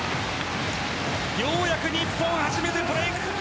ようやく日本、初めてブレーク。